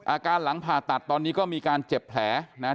หลังผ่าตัดตอนนี้ก็มีการเจ็บแผลนะครับ